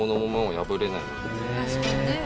確かにね。